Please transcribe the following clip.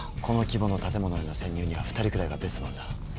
この規模の建物への潜入には２人くらいがベストなんだ。